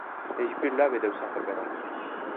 Lê ji bîr nabe dewsa xeberan.